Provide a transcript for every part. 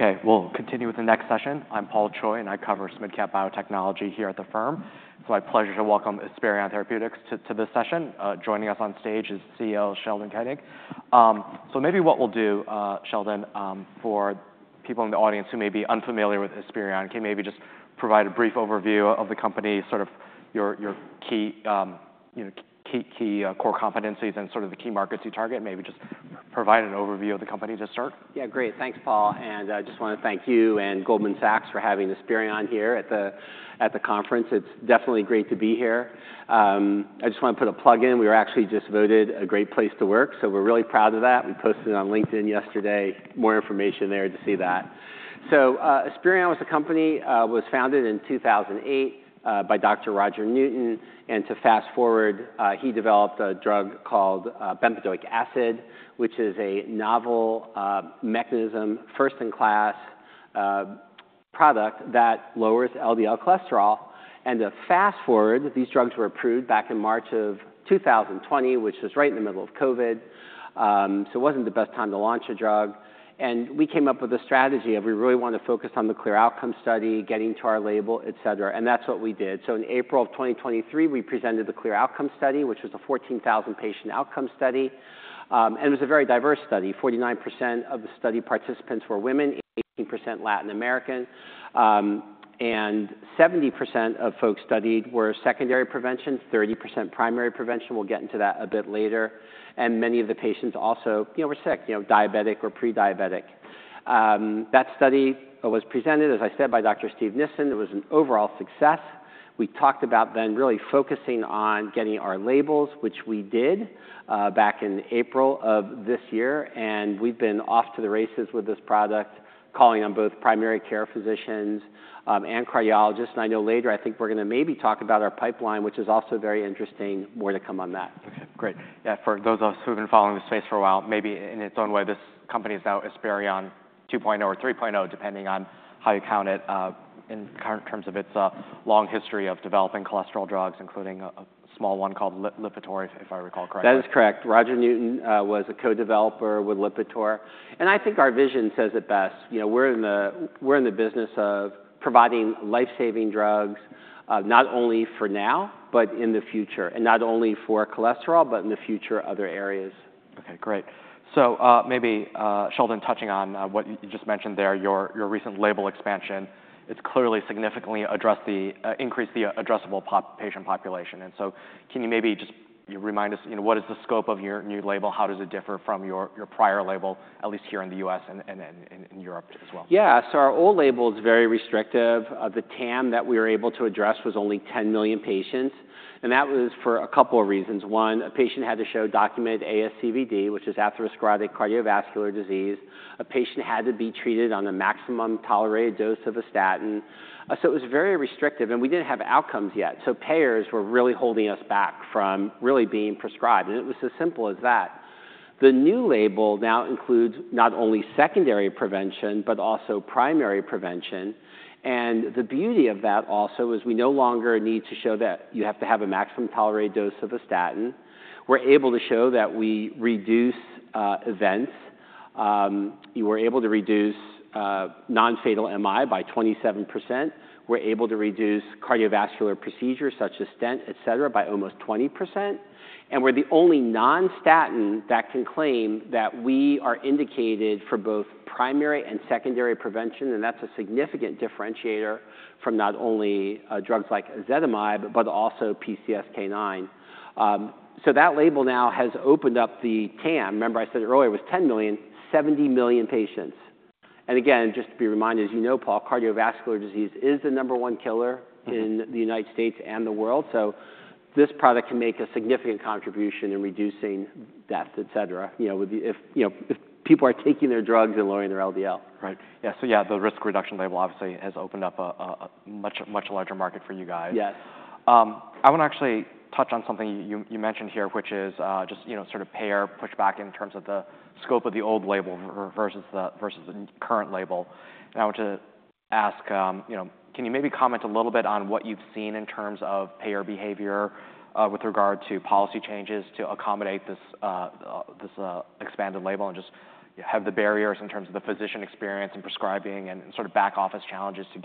Okay, we'll continue with the next session. I'm Paul Choi, and I cover mid-cap biotechnology here at the firm. It's my pleasure to welcome Esperion Therapeutics to this session. Joining us on stage is CEO Sheldon Koenig. So maybe what we'll do, Sheldon, for people in the audience who may be unfamiliar with Esperion, can you maybe just provide a brief overview of the company, sort of your key, you know, key core competencies and sort of the key markets you target? Maybe just provide an overview of the company to start. Yeah, great. Thanks, Paul, and I just wanna thank you and Goldman Sachs for having Esperion here at the conference. It's definitely great to be here. I just wanna put a plug in. We were actually just voted a great place to work, so we're really proud of that. We posted it on LinkedIn yesterday. More information there to see that. So, Esperion as a company, was founded in 2008, by Dr. Roger Newton, and to fast-forward, he developed a drug called, bempedoic acid, which is a novel, mechanism, first-in-class, product that lowers LDL cholesterol. And to fast-forward, these drugs were approved back in March of 2020, which was right in the middle of COVID, so it wasn't the best time to launch a drug. We came up with a strategy, and we really wanna focus on the CLEAR Outcomes study, getting to our label, et cetera, and that's what we did. So in April of 2023, we presented the CLEAR Outcomes study, which was a 14,000-patient outcome study. And it was a very diverse study. 49% of the study participants were women, 18% Latin American, and 70% of folks studied were secondary prevention, 30% primary prevention. We'll get into that a bit later, and many of the patients also, you know, were sick, you know, diabetic or pre-diabetic. That study was presented, as I said, by Dr. Steve Nissen. It was an overall success. We talked about then really focusing on getting our labels, which we did, back in April of this year, and we've been off to the races with this product, calling on both primary care physicians, and cardiologists. And I know later, I think we're gonna maybe talk about our pipeline, which is also very interesting. More to come on that. Okay, great. Yeah, for those of us who've been following this space for a while, maybe in its own way, this company is now Esperion 2.0 or 3.0, depending on how you count it, in current terms of its long history of developing cholesterol drugs, including a small one called Lipitor, if I recall correctly. That is correct. Roger Newton was a co-developer with Lipitor, and I think our vision says it best. You know, we're in the business of providing life-saving drugs, not only for now, but in the future, and not only for cholesterol, but in the future, other areas. Okay, great. So, maybe, Sheldon, touching on what you just mentioned there, your recent label expansion, it's clearly significantly addressed the increased addressable patient population. And so can you maybe just remind us, you know, what is the scope of your new label? How does it differ from your prior label, at least here in the U.S. and in Europe as well? Yeah. So our old label is very restrictive. The TAM that we were able to address was only 10 million patients, and that was for a couple of reasons. One, a patient had to show documented ASCVD, which is atherosclerotic cardiovascular disease. A patient had to be treated on the maximum tolerated dose of a statin. So it was very restrictive, and we didn't have outcomes yet, so payers were really holding us back from really being prescribed, and it was as simple as that. The new label now includes not only secondary prevention, but also primary prevention, and the beauty of that also is we no longer need to show that you have to have a maximum tolerated dose of a statin. We're able to show that we reduce events. We're able to reduce non-fatal MI by 27%. We're able to reduce cardiovascular procedures, such as stent, et cetera, by almost 20%, and we're the only non-statin that can claim that we are indicated for both primary and secondary prevention, and that's a significant differentiator from not only, drugs like ezetimibe, but also PCSK9. So that label now has opened up the TAM. Remember I said earlier, it was 10 million, 70 million patients. And again, just to be reminded, as you know, Paul, cardiovascular disease is the number one killer- Mm-hmm... in the United States and the world, so this product can make a significant contribution in reducing deaths, et cetera, you know, with if, you know, if people are taking their drugs and lowering their LDL. Right. Yeah, so yeah, the risk reduction label obviously has opened up a much, much larger market for you guys. Yes. I wanna actually touch on something you mentioned here, which is just, you know, sort of payer pushback in terms of the scope of the old label versus the current label. And I want to ask, you know, can you maybe comment a little bit on what you've seen in terms of payer behavior with regard to policy changes to accommodate this expanded label and just have the barriers in terms of the physician experience in prescribing and sort of back-office challenges to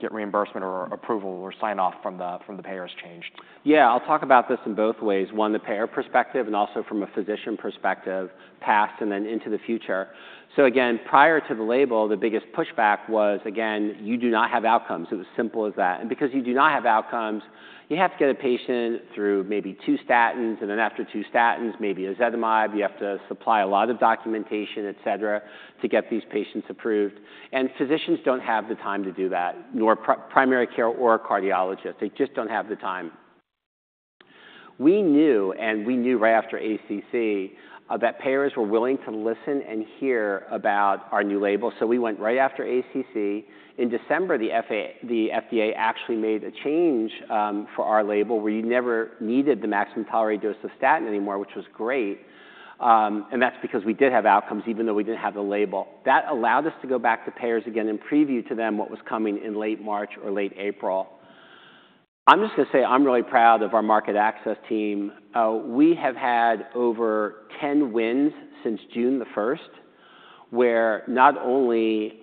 get reimbursement or approval or sign-off from the payers changed? Yeah, I'll talk about this in both ways, one, the payer perspective, and also from a physician perspective, past and then into the future. So again, prior to the label, the biggest pushback was, again: "You do not have outcomes." It was simple as that. And because you do not have outcomes, you have to get a patient through maybe two statins, and then after two statins, maybe ezetimibe. You have to supply a lot of documentation, et cetera, to get these patients approved, and physicians don't have the time to do that, nor primary care or a cardiologist. They just don't have the time. We knew, and we knew right after ACC, that payers were willing to listen and hear about our new label, so we went right after ACC. In December, the FDA actually made a change for our label, where you never needed the maximum tolerated dose of statin anymore, which was great, and that's because we did have outcomes, even though we didn't have the label. That allowed us to go back to payers again and preview to them what was coming in late March or late April. I'm just gonna say I'm really proud of our market access team. We have had over 10 wins since June 1, where not only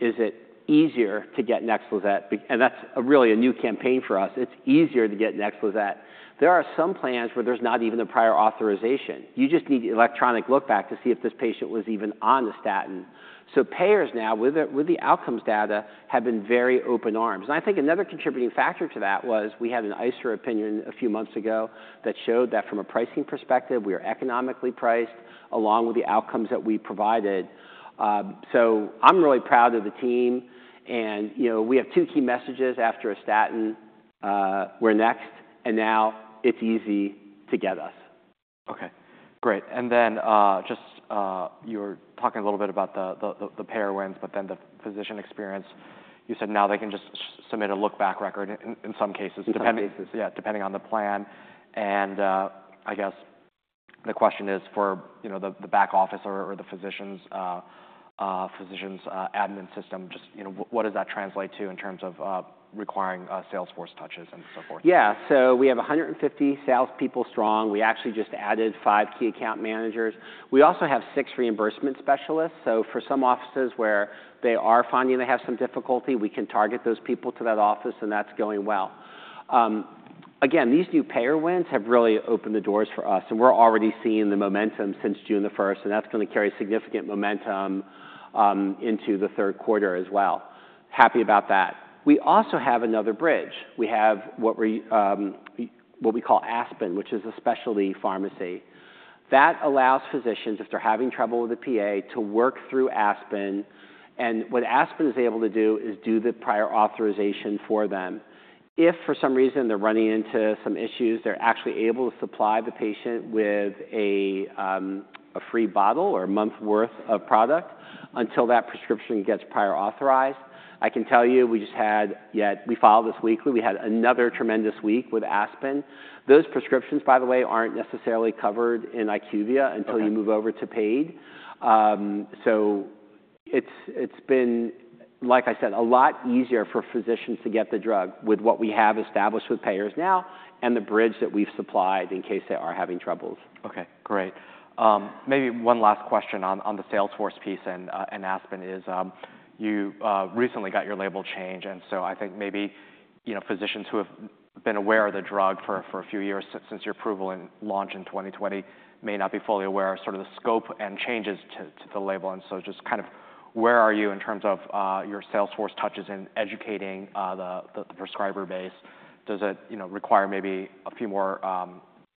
is it easier to get Nexlizet, and that's really a new campaign for us. It's easier to get Nexlizet. There are some plans where there's not even a prior authorization. You just need the electronic look back to see if this patient was even on the statin. So payers now, with the outcomes data, have been very open arms. And I think another contributing factor to that was we had an ICER opinion a few months ago that showed that from a pricing perspective, we are economically priced along with the outcomes that we provided. So I'm really proud of the team and, you know, we have two key messages after a statin, we're next, and now it's easy to get us. Okay, great. And then, just, you were talking a little bit about the payer wins, but then the physician experience, you said now they can just submit a look back record in some cases- In some cases. Yeah, depending on the plan, and, I guess the question is for, you know, the back office or the physicians' admin system, just, you know, what does that translate to in terms of requiring sales force touches and so forth? Yeah. So we have 150 salespeople strong. We actually just added five key account managers. We also have six reimbursement specialists, so for some offices where they are finding they have some difficulty, we can target those people to that office, and that's going well. Again, these new payer wins have really opened the doors for us, and we're already seeing the momentum since June the first, and that's gonna carry significant momentum into the third quarter as well. Happy about that. We also have another bridge. We have what we call Aspen, which is a specialty pharmacy. That allows physicians, if they're having trouble with the PA, to work through Aspen, and what Aspen is able to do is do the prior authorization for them. If, for some reason, they're running into some issues, they're actually able to supply the patient with a free bottle or a month's worth of product until that prescription gets prior authorized. I can tell you, we just had... Yeah, we filed this weekly. We had another tremendous week with Aspen. Those prescriptions, by the way, aren't necessarily covered in IQVIA- Okay. until you move over to paid. So it's been, like I said, a lot easier for physicians to get the drug with what we have established with payers now and the bridge that we've supplied in case they are having troubles. Okay, great. Maybe one last question on the sales force piece and Aspen is, you recently got your label changed, and so I think maybe, you know, physicians who have been aware of the drug for a few years since your approval and launch in 2020 may not be fully aware of sort of the scope and changes to the label. And so just kind of where are you in terms of your sales force touches in educating the prescriber base? Does it, you know, require maybe a few more,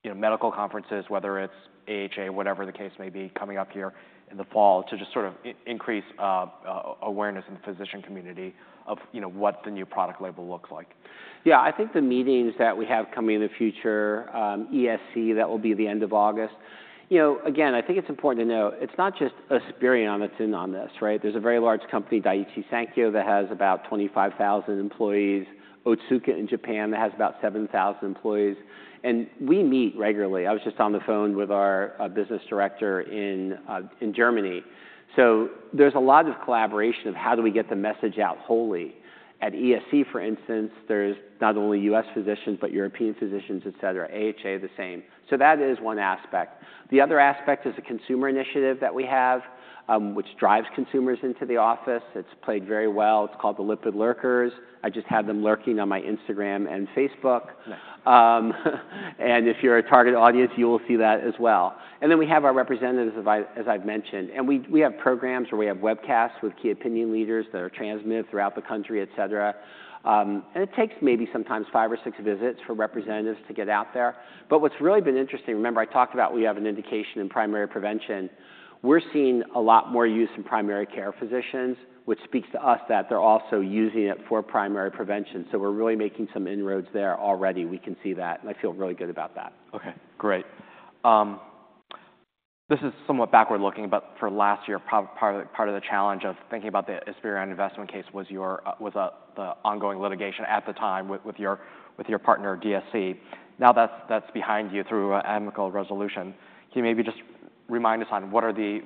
you know, medical conferences, whether it's AHA, whatever the case may be, coming up here in the fall to just sort of increase awareness in the physician community of, you know, what the new product label looks like? Yeah, I think the meetings that we have coming in the future, ESC, that will be the end of August. You know, again, I think it's important to note, it's not just Esperion that's in on this, right? There's a very large company, Daiichi Sankyo, that has about 25,000 employees, Otsuka in Japan, that has about 7,000 employees, and we meet regularly. I was just on the phone with our, business director in, in Germany. So there's a lot of collaboration of how do we get the message out wholly. At ESC, for instance, there's not only U.S. physicians, but European physicians, et cetera. AHA, the same. So that is one aspect. The other aspect is a consumer initiative that we have, which drives consumers into the office. It's played very well. It's called the Lipid Lurkers. I just had them lurking on my Instagram and Facebook. If you're a target audience, you will see that as well. Then we have our representatives, as I, as I've mentioned, and we, we have programs where we have webcasts with key opinion leaders that are transmitted throughout the country, et cetera. It takes maybe sometimes five or six visits for representatives to get out there. But what's really been interesting, remember, I talked about we have an indication in primary prevention. We're seeing a lot more use in primary care physicians, which speaks to us that they're also using it for primary prevention. So we're really making some inroads there already. We can see that, and I feel really good about that. Okay, great. This is somewhat backward-looking, but for last year, part of the challenge of thinking about the Esperion investment case was the ongoing litigation at the time with your partner, DSE. Now, that's behind you through an amicable resolution. Can you maybe just remind us on what are the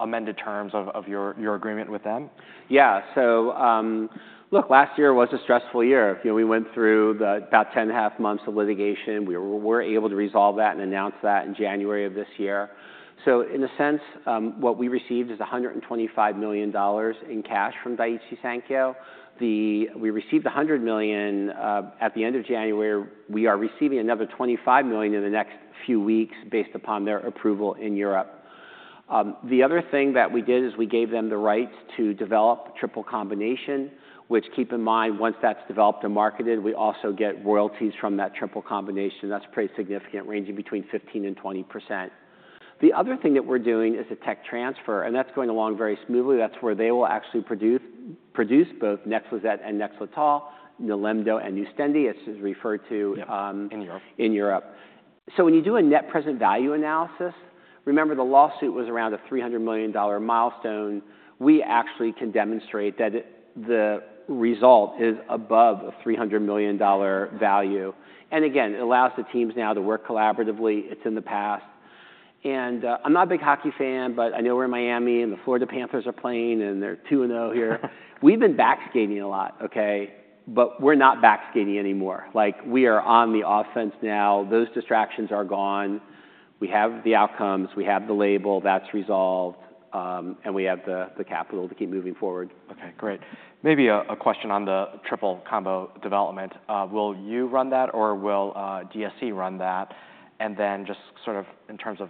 amended terms of your agreement with them? Yeah. So, look, last year was a stressful year. You know, we went through about 10.5 months of litigation. We were able to resolve that and announce that in January of this year. So in a sense, what we received is $125 million in cash from Daiichi Sankyo. We received $100 million at the end of January. We are receiving another $25 million in the next few weeks, based upon their approval in Europe. The other thing that we did is we gave them the rights to develop triple combination, which keep in mind, once that's developed and marketed, we also get royalties from that triple combination. That's pretty significant, ranging between 15% and 20%. The other thing that we're doing is a tech transfer, and that's going along very smoothly. That's where they will actually produce, produce both Nexlizet and Nexletol, Nilemdo and Nustendi, as it is referred to. In Europe. in Europe. So when you do a net present value analysis, remember the lawsuit was around a $300 million milestone. We actually can demonstrate that the result is above a $300 million value. And again, it allows the teams now to work collaboratively. It's in the past... And, I'm not a big hockey fan, but I know we're in Miami, and the Florida Panthers are playing, and they're 2-0 here. We've been back skating a lot, okay? But we're not back skating anymore. Like, we are on the offense now. Those distractions are gone. We have the outcomes, we have the label, that's resolved, and we have the capital to keep moving forward. Okay, great. Maybe a question on the triple combo development. Will you run that, or will DSE run that? And then just sort of in terms of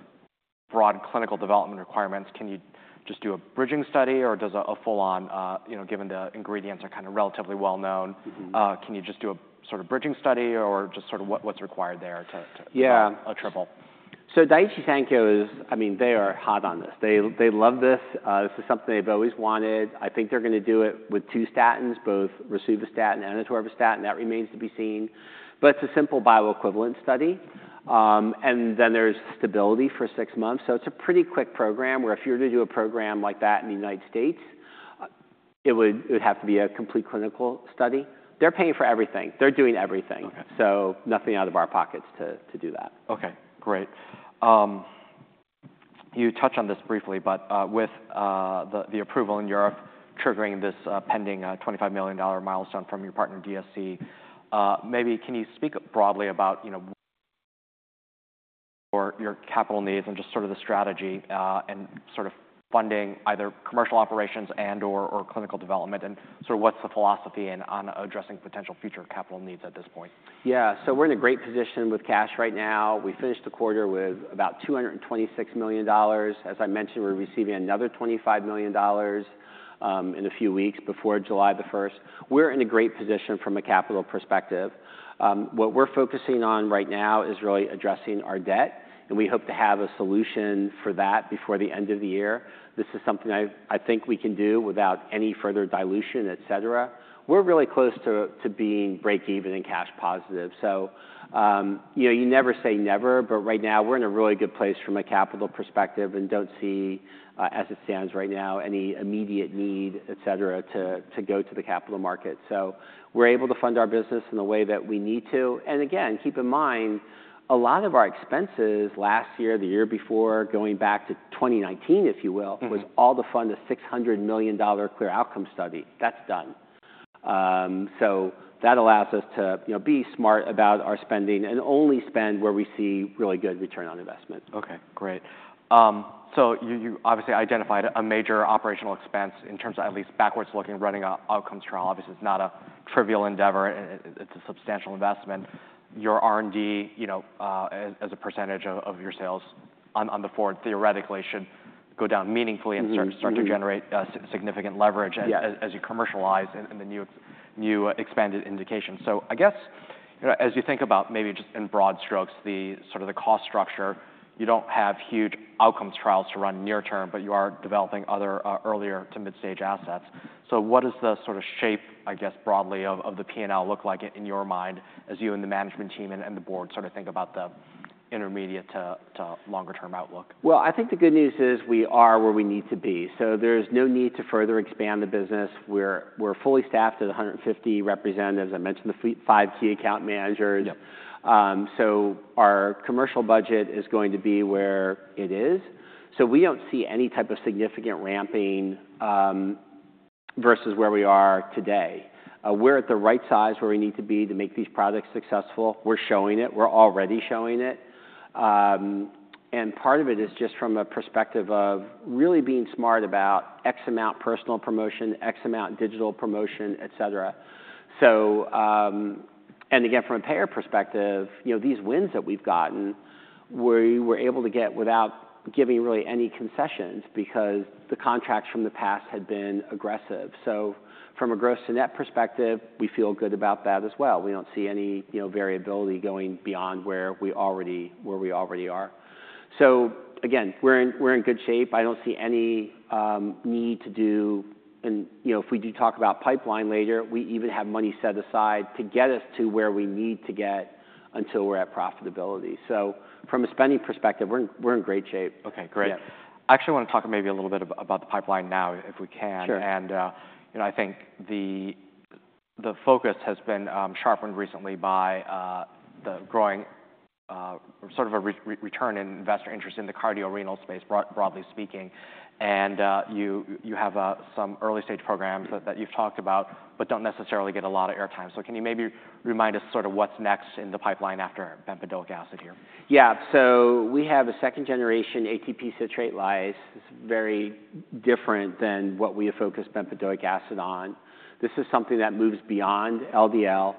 broad clinical development requirements, can you just do a bridging study, or does a full-on, you know, given the ingredients are kind of relatively well known- Mm-hmm. Can you just do a sort of bridging study, or just sort of what, what's required there to? Yeah -a triple? So Daiichi Sankyo is. I mean, they are hot on this. They love this. This is something they've always wanted. I think they're going to do it with two statins, both rosuvastatin and atorvastatin, that remains to be seen. But it's a simple bioequivalent study. And then there's stability for six months, so it's a pretty quick program, where if you were to do a program like that in the United States, it would have to be a complete clinical study. They're paying for everything. They're doing everything. Okay. Nothing out of our pockets to do that. Okay, great. You touched on this briefly, but with the approval in Europe triggering this pending $25 million milestone from your partner, DSE, maybe can you speak broadly about, you know, or your capital needs and just sort of the strategy and sort of funding either commercial operations and/or or clinical development, and sort of what's the philosophy and on addressing potential future capital needs at this point? Yeah. So we're in a great position with cash right now. We finished the quarter with about $226 million. As I mentioned, we're receiving another $25 million in a few weeks, before July 1st. We're in a great position from a capital perspective. What we're focusing on right now is really addressing our debt, and we hope to have a solution for that before the end of the year. This is something I think we can do without any further dilution, et cetera. We're really close to being break-even and cash positive. So, you know, you never say never, but right now we're in a really good place from a capital perspective and don't see, as it stands right now, any immediate need, et cetera, to go to the capital market. So we're able to fund our business in the way that we need to. Again, keep in mind, a lot of our expenses last year, the year before, going back to 2019, if you will- Mm-hmm... was all to fund the $600 million CLEAR Outcomes study. That's done. So that allows us to, you know, be smart about our spending and only spend where we see really good return on investment. Okay, great. So you obviously identified a major operational expense in terms of at least backwards looking, running an outcomes trial. Obviously, it's not a trivial endeavor. It's a substantial investment. Your R&D, you know, as a percentage of your sales on the forward, theoretically, should go down meaningfully- Mm-hmm. Mm-hmm... and start to generate significant leverage- Yeah... as you commercialize in the new expanded indication. So I guess, you know, as you think about maybe just in broad strokes, the sort of cost structure, you don't have huge outcomes trials to run near term, but you are developing other, earlier to mid-stage assets. So what is the sort of shape, I guess, broadly of the P&L look like in your mind as you and the management team and the board sort of think about the intermediate to longer term outlook? Well, I think the good news is we are where we need to be. So there's no need to further expand the business. We're fully staffed at 150 representatives. I mentioned the five key account managers. Yep. So our commercial budget is going to be where it is. So we don't see any type of significant ramping versus where we are today. We're at the right size, where we need to be to make these products successful. We're showing it. We're already showing it. And part of it is just from a perspective of really being smart about X amount personal promotion, X amount digital promotion, et cetera. So, and again, from a payer perspective, you know, these wins that we've gotten, we were able to get without giving really any concessions because the contracts from the past had been aggressive. So from a gross to net perspective, we feel good about that as well. We don't see any, you know, variability going beyond where we already are. So again, we're in good shape. I don't see any need to do... And you know, if we do talk about pipeline later, we even have money set aside to get us to where we need to get until we're at profitability. So from a spending perspective, we're in, we're in great shape. Okay, great. Yeah. I actually want to talk maybe a little bit about the pipeline now, if we can. Sure. And, you know, I think the focus has been sharpened recently by the growing sort of a return in investor interest in the cardiorenal space, broadly speaking. And, you have some early-stage programs that you've talked about but don't necessarily get a lot of airtime. So can you maybe remind us sort of what's next in the pipeline after bempedoic acid here? Yeah. So we have a 2nd-gen ATP citrate lyase. It's very different than what we have focused bempedoic acid on. This is something that moves beyond LDL.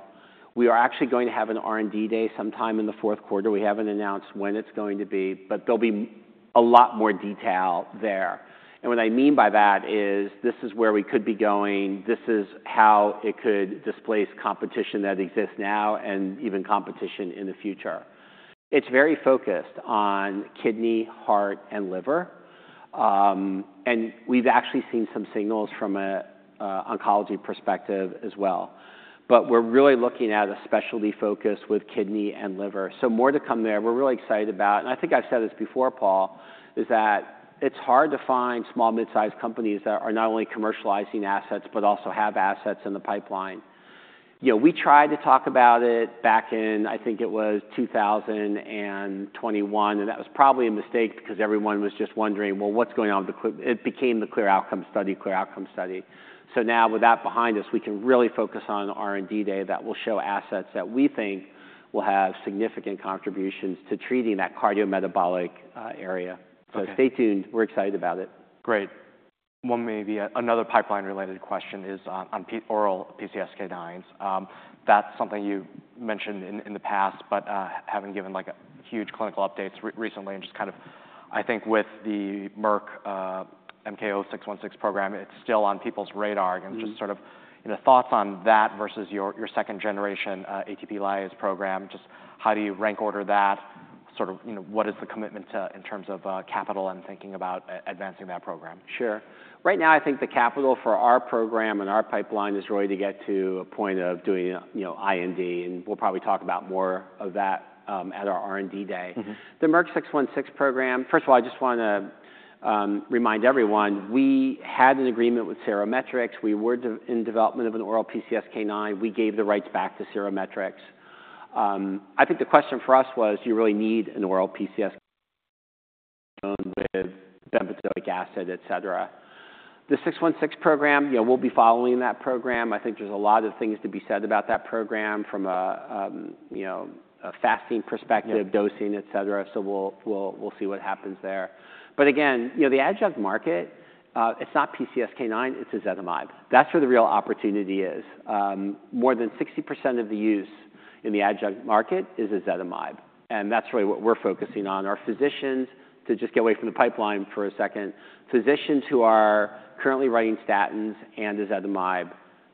We are actually going to have an R&D day sometime in the fourth quarter. We haven't announced when it's going to be, but there'll be a lot more detail there. And what I mean by that is, this is where we could be going, this is how it could displace competition that exists now and even competition in the future. It's very focused on kidney, heart, and liver. And we've actually seen some signals from an oncology perspective as well. But we're really looking at a specialty focus with kidney and liver. So more to come there. We're really excited about, and I think I've said this before, Paul, is that it's hard to find small mid-sized companies that are not only commercializing assets, but also have assets in the pipeline. You know, we tried to talk about it back in, I think it was 2021, and that was probably a mistake because everyone was just wondering, "Well, what's going on with the-" It became the CLEAR Outcomes study, CLEAR Outcomes study. So now, with that behind us, we can really focus on R&D Day that will show assets that we think will have significant contributions to treating that cardiometabolic area. Okay. So stay tuned. We're excited about it. Great. One maybe another pipeline-related question is on oral PCSK9s. That's something you've mentioned in the past, but haven't given, like, huge clinical updates recently and just kind of... I think with the Merck MK-0616 program, it's still on people's radar- Mm-hmm. Just sort of, you know, thoughts on that versus your 2nd-gen ATP lyase program. Just how do you rank order that? Sort of, you know, what is the commitment to, in terms of capital and thinking about advancing that program? Sure. Right now, I think the capital for our program and our pipeline is really to get to a point of doing, you know, IND, and we'll probably talk about more of that at our R&D Day. Mm-hmm. The Merck MK-0616 program. First of all, I just wanna remind everyone, we had an agreement with Seremetrix. We were developing an oral PCSK9. We gave the rights back to Seremetrix. I think the question for us was, do you really need an oral PCSK9 with bempedoic acid, et cetera? The MK-0616 program, you know, we'll be following that program. I think there's a lot of things to be said about that program from a, you know, a fasting perspective- Yeah... dosing, et cetera, so we'll see what happens there. But again, you know, the adjunct market, it's not PCSK9, it's ezetimibe. That's where the real opportunity is. More than 60% of the use in the adjunct market is ezetimibe, and that's really what we're focusing on. Our physicians, to just get away from the pipeline for a second, physicians who are currently writing statins and ezetimibe,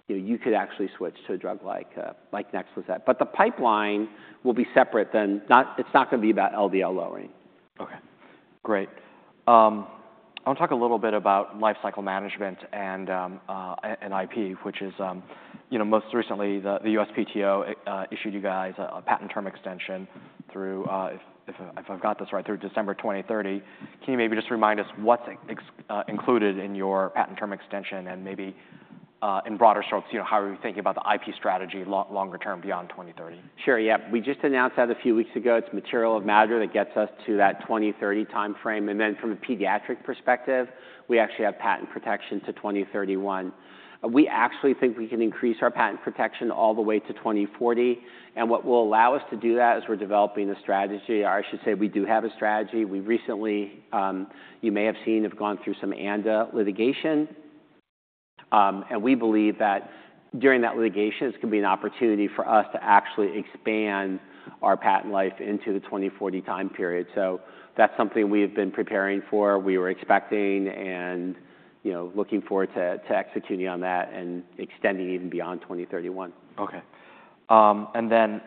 you know, you could actually switch to a drug like Nexlizet. But the pipeline will be separate than... Not- it's not gonna be about LDL lowering. Okay, great. I want to talk a little bit about life cycle management and, and IP, which is, you know, most recently, the, the USPTO, issued you guys a, a patent term extension through, if I've got this right, through December 2030. Can you maybe just remind us what's exactly included in your patent term extension and maybe, in broader strokes, you know, how are we thinking about the IP strategy longer term beyond 2030? Sure, yeah. We just announced that a few weeks ago. It's material of matter that gets us to that 2030 timeframe, and then from a pediatric perspective, we actually have patent protection to 2031. We actually think we can increase our patent protection all the way to 2040, and what will allow us to do that is we're developing a strategy, or I should say we do have a strategy. We recently, you may have seen, have gone through some ANDA litigation, and we believe that during that litigation, this can be an opportunity for us to actually expand our patent life into the 2040 time period. So that's something we've been preparing for, we were expecting and, you know, looking forward to executing on that and extending even beyond 2031. Okay. And then,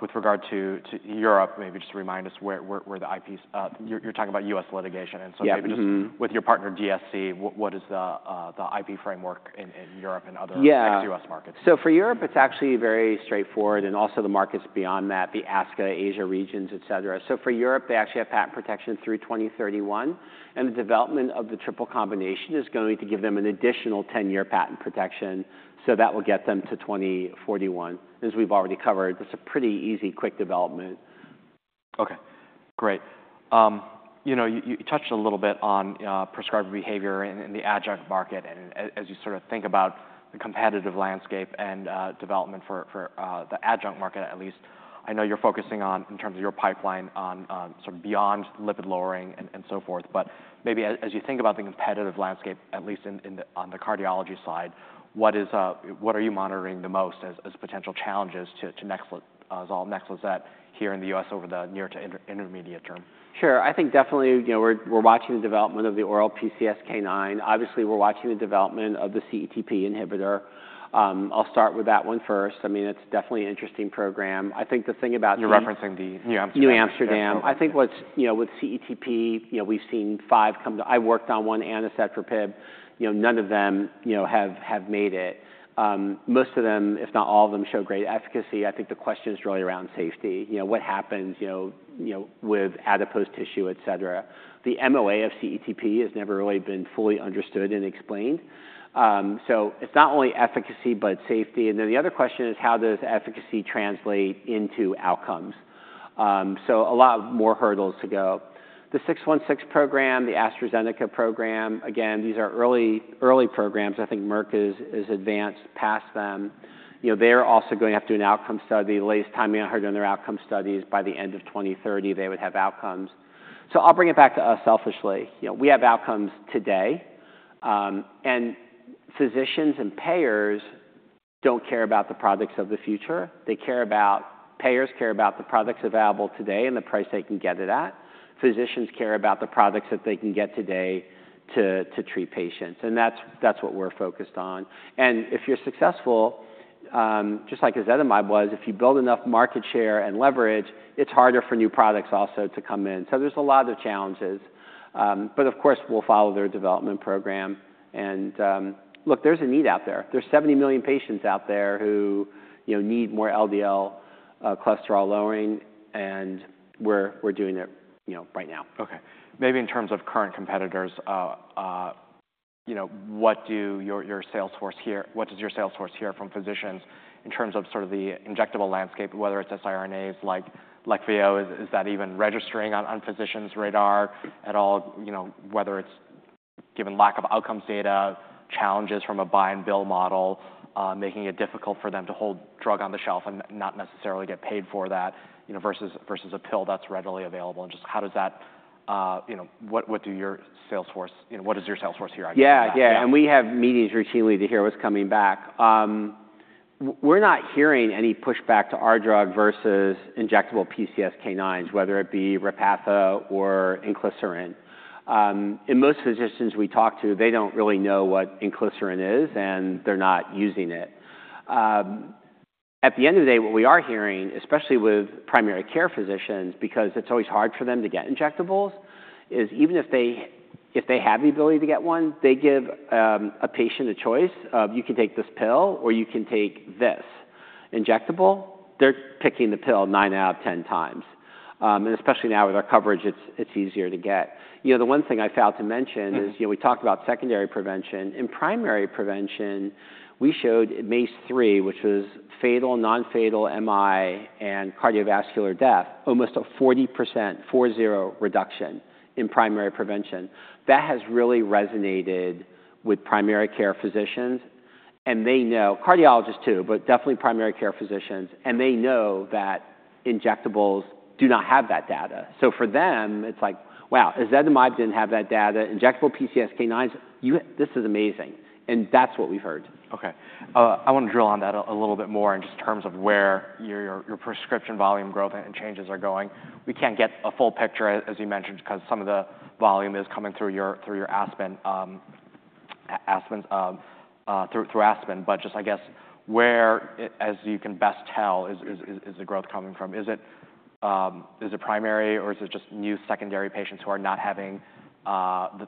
with regard to Europe, maybe just remind us where the IP's. You're talking about U.S. litigation- Yeah, mm-hmm. -and so maybe just with your partner, DSE, what is the IP framework in Europe and other- Yeah - ex-U.S. markets? So for Europe, it's actually very straightforward, and also the markets beyond that, the ASCA, Asia regions, et cetera. So for Europe, they actually have patent protection through 2031, and the development of the triple combination is going to give them an additional 10-year patent protection, so that will get them to 2041. As we've already covered, it's a pretty easy, quick development. Okay, great. You know, you touched a little bit on prescriber behavior in the adjunct market, and as you sort of think about the competitive landscape and development for the adjunct market, at least, I know you're focusing on, in terms of your pipeline, on sort of beyond lipid-lowering and so forth. But maybe as you think about the competitive landscape, at least in on the cardiology side, what are you monitoring the most as potential challenges to Nexlizet here in the U.S. over the near- to intermediate term? Sure. I think definitely, you know, we're watching the development of the oral PCSK9. Obviously, we're watching the development of the CETP inhibitor. I'll start with that one first. I mean, it's definitely an interesting program. I think the thing about- You're referencing the NewAmsterdam- NewAmsterdam. Okay. I think what's... You know, with CETP, you know, we've seen five come to... I worked on one, anacetrapib. You know, none of them, you know, have made it. Most of them, if not all of them, show great efficacy. I think the question is really around safety. You know, what happens, you know, you know, with adipose tissue, et cetera? The MOA of CETP has never really been fully understood and explained. So it's not only efficacy, but safety, and then the other question is: How does efficacy translate into outcomes? So a lot more hurdles to go. The MK-0616 program, the AstraZeneca program, again, these are early, early programs. I think Merck is advanced past them. You know, they're also going to have to do an outcome study. Last time I heard, in their outcome studies, by the end of 2030, they would have outcomes. So I'll bring it back to us selfishly. You know, we have outcomes today, and physicians and payers don't care about the products of the future. They care about, payers care about the products available today and the price they can get it at. Physicians care about the products that they can get today to treat patients, and that's what we're focused on. And if you're successful, just like ezetimibe was, if you build enough market share and leverage, it's harder for new products also to come in. So there's a lot of challenges, but of course, we'll follow their development program. And look, there's a need out there. There's 70 million patients out there who-... You know, need more LDL cholesterol lowering, and we're doing it, you know, right now. Okay. Maybe in terms of current competitors, you know, what does your sales force hear from physicians in terms of sort of the injectable landscape, whether it's siRNAs like Leqvio? Is that even registering on physicians' radar at all? You know, whether it's given lack of outcomes data, challenges from a buy and bill model, making it difficult for them to hold drug on the shelf and not necessarily get paid for that, you know, versus a pill that's readily available. And just how does that, you know, what does your sales force hear out there? You know, what does your sales force hear out there? Yeah, yeah. Yeah. And we have meetings routinely to hear what's coming back. We're not hearing any pushback to our drug versus injectable PCSK9s, whether it be Repatha or inclisiran. Most physicians we talk to, they don't really know what inclisiran is, and they're not using it. At the end of the day, what we are hearing, especially with primary care physicians, because it's always hard for them to get injectables, is even if they, if they have the ability to get one, they give a patient a choice of, "You can take this pill, or you can take this injectable." They're picking the pill 9 out of 10 times. Especially now with our coverage, it's easier to get. You know, the one thing I failed to mention- Mm-hmm. This, you know, we talked about secondary prevention. In primary prevention, we showed in MACE-3, which was fatal, non-fatal MI and cardiovascular death, almost a 40%, four zero, reduction in primary prevention. That has really resonated with primary care physicians, and they know... Cardiologists, too, but definitely primary care physicians, and they know that injectables do not have that data. So for them, it's like, "Wow, ezetimibe didn't have that data. Injectable PCSK9s, this is amazing." That's what we've heard. Okay. I want to drill on that a little bit more in just terms of where your prescription volume growth and changes are going. We can't get a full picture, as you mentioned, 'cause some of the volume is coming through your Aspen. But just, I guess, where, as you can best tell, is the growth coming from? Is it primary, or is it just new secondary patients who are not having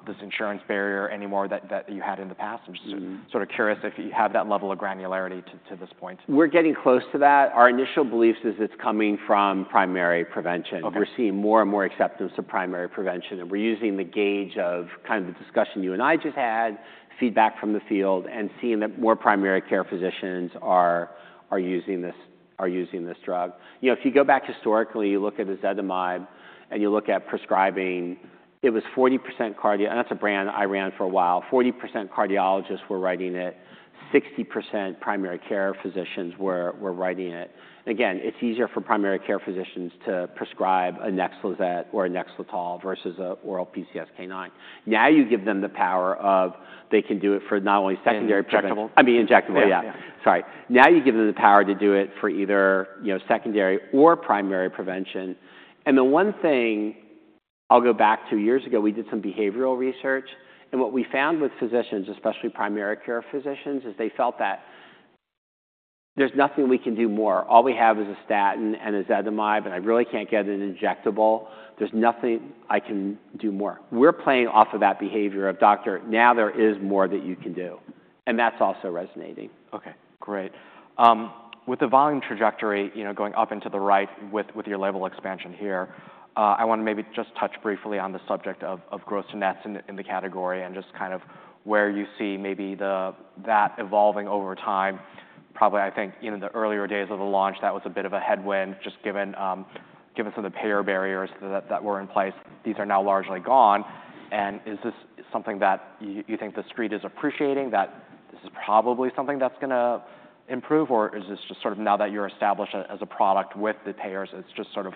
this insurance barrier anymore that you had in the past? Mm-hmm. I'm just sort of curious if you have that level of granularity to, to this point? We're getting close to that. Our initial belief is it's coming from primary prevention. Okay. We're seeing more and more acceptance to primary prevention, and we're using the gauge of kind of the discussion you and I just had, feedback from the field, and seeing that more primary care physicians are using this drug. You know, if you go back historically, you look at ezetimibe, and you look at prescribing, it was 40% cardio... And that's a brand I ran for a while. 40% cardiologists were writing it, 60% primary care physicians were writing it. Again, it's easier for primary care physicians to prescribe a Nexlizet or a Nexletol versus an oral PCSK9. Now, you give them the power of they can do it for not only secondary Injectable. I mean, injectable. Yeah, yeah. Sorry. Now, you give them the power to do it for either, you know, secondary or primary prevention. And the one thing... I'll go back to years ago, we did some behavioral research, and what we found with physicians, especially primary care physicians, is they felt that: There's nothing we can do more. All we have is a statin and ezetimibe, and I really can't get an injectable. There's nothing I can do more. We're playing off of that behavior of, "Doctor, now there is more that you can do," and that's also resonating. Okay, great. With the volume trajectory, you know, going up into the right with, with your label expansion here, I want to maybe just touch briefly on the subject of, of gross to nets in the, in the category and just kind of where you see maybe that evolving over time. Probably, I think, you know, in the earlier days of the launch, that was a bit of a headwind, just given, given some of the payer barriers that, that were in place. These are now largely gone, and is this something that you think the street is appreciating, that this is probably something that's gonna improve, or is this just sort of now that you're established as a product with the payers, it's just sort of,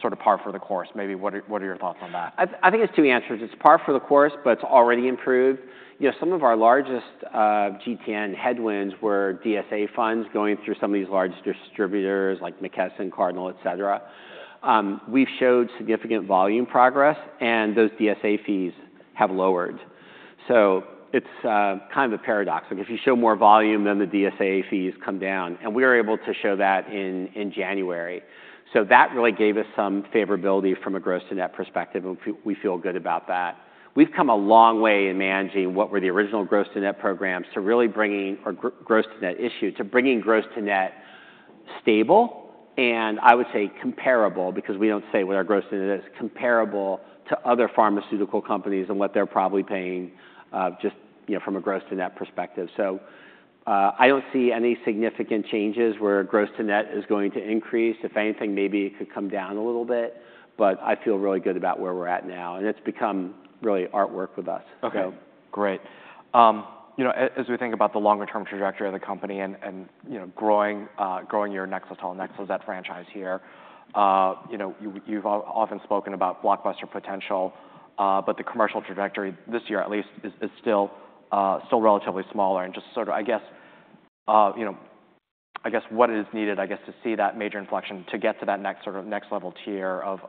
sort of par for the course? Maybe what are, what are your thoughts on that? I think it's two answers. It's par for the course, but it's already improved. You know, some of our largest GTN headwinds were DSA funds going through some of these large distributors, like McKesson, Cardinal, et cetera. We've showed significant volume progress, and those DSA fees have lowered. So it's kind of a paradox, like if you show more volume, then the DSA fees come down, and we were able to show that in January. So that really gave us some favorability from a gross to net perspective, and we feel good about that. We've come a long way in managing what were the original gross to net programs, to really bringing... gross to net issue to bringing gross to net stable and, I would say, comparable, because we don't say what our gross to net is, comparable to other pharmaceutical companies and what they're probably paying, just, you know, from a gross to net perspective. So, I don't see any significant changes where gross to net is going to increase. If anything, maybe it could come down a little bit, but I feel really good about where we're at now, and it's become really worked out with us. Okay. So. Great. You know, as we think about the longer-term trajectory of the company and, you know, growing your Nexletol, Nexlizet franchise here, you know, you've often spoken about blockbuster potential, but the commercial trajectory, this year at least, is still relatively smaller. And just sort of, I guess, what is needed, I guess, to see that major inflection to get to that next sort of next-level tier of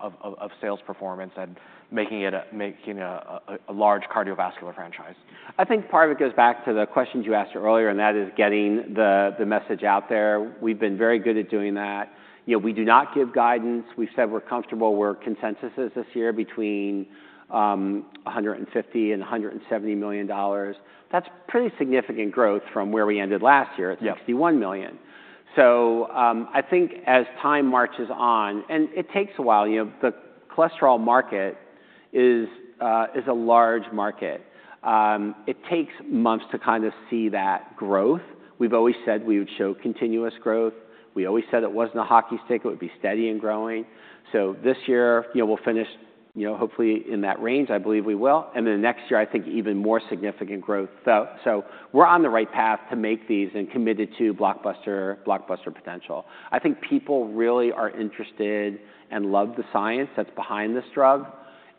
sales performance and making it a large cardiovascular franchise? I think part of it goes back to the questions you asked earlier, and that is getting the message out there. We've been very good at doing that. You know, we do not give guidance. We've said we're comfortable. We're consensus is this year between $150 million and $170 million. That's pretty significant growth from where we ended last year- Yeah... at $61 million. So, I think as time marches on, and it takes a while, you know, the cholesterol market is, is a large market. It takes months to kind of see that growth. We've always said we would show continuous growth. We always said it wasn't a hockey stick, it would be steady and growing. So this year, you know, we'll finish, you know, hopefully in that range, I believe we will, and then next year, I think even more significant growth. So, so we're on the right path to make these and committed to blockbuster, blockbuster potential. I think people really are interested and love the science that's behind this drug,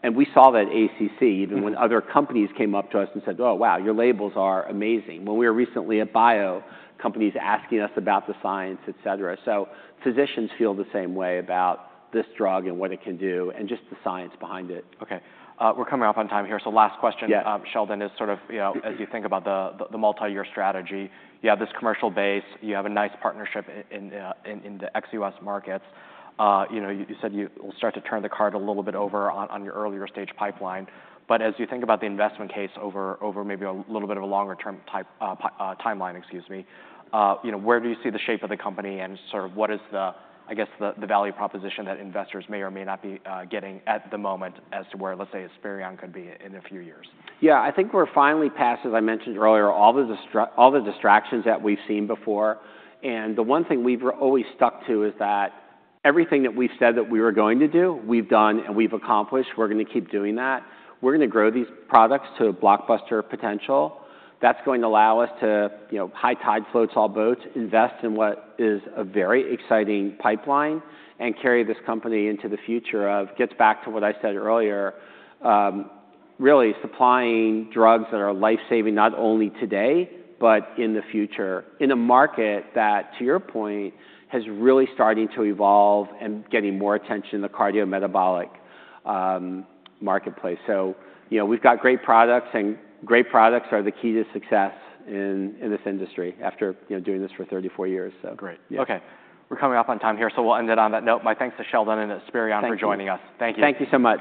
and we saw that at ACC, even when other companies came up to us and said, "Oh, wow, your labels are amazing." When we were recently at BIO, companies asking us about the science, et cetera. So physicians feel the same way about this drug and what it can do, and just the science behind it. Okay. We're coming up on time here, so last question- Yeah... Sheldon, is sort of, you know, as you think about the multi-year strategy, you have this commercial base, you have a nice partnership in the ex-U.S. markets. You know, you said you will start to turn the card a little bit over on your earlier stage pipeline. But as you think about the investment case over maybe a little bit of a longer term type timeline, excuse me, you know, where do you see the shape of the company, and sort of what is the, I guess, the value proposition that investors may or may not be getting at the moment as to where, let's say, Esperion could be in a few years? Yeah, I think we're finally past, as I mentioned earlier, all the distractions that we've seen before. The one thing we've always stuck to is that everything that we've said that we were going to do, we've done and we've accomplished. We're going to keep doing that. We're going to grow these products to a blockbuster potential. That's going to allow us to, you know, high tide floats all boats, invest in what is a very exciting pipeline, and carry this company into the future of... Gets back to what I said earlier, really supplying drugs that are life-saving, not only today, but in the future, in a market that, to your point, has really starting to evolve and getting more attention in the cardiometabolic marketplace. You know, we've got great products, and great products are the key to success in this industry after, you know, doing this for 34 years, so. Great. Yeah. Okay, we're coming up on time here, so we'll end it on that note. My thanks to Sheldon and Esperion. Thank you... for joining us. Thank you. Thank you so much.